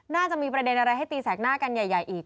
น่าจะมีประเด็นอะไรให้ตีแสกหน้ากันใหญ่อีก